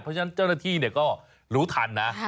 เพราะฉะนั้นเจ้าหน้าที่ก็รู้ทันนะ